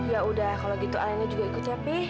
ya udah kalau gitu alena juga ikut ya fi